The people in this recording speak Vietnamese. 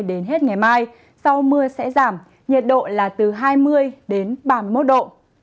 đến hết ngày mai sau mưa sẽ giảm nhiệt độ là từ hai mươi đến ba mươi một độ